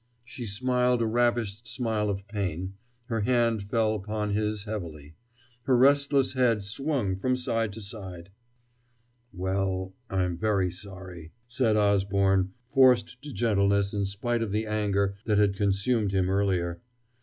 She smiled a ravished smile of pain; her hand fell upon his heavily; her restless head swung from side to side. "Well, I am very sorry," said Osborne, forced to gentleness in spite of the anger that had consumed him earlier.